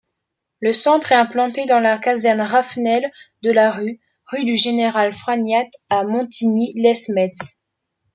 Le centre est implanté dans la caserne Raffenel-Delarue, rue du Général Franiatte à Montigny-lès-Metz.